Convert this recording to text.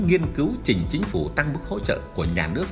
nghiên cứu chỉnh chính phủ tăng mức hỗ trợ của nhà nước